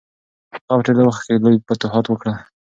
هغه په ډېر لږ وخت کې لوی فتوحات وکړل.